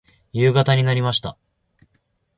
夕方になりました。